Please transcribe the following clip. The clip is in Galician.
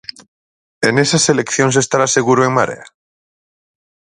E nesas eleccións estará seguro En Marea?